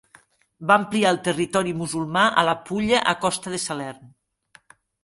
Va ampliar el territori musulmà a la Pulla a costa de Salern.